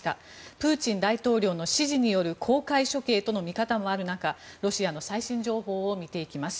プーチン大統領の指示による公開処刑との見方もある中ロシアの最新情報を見ていきます。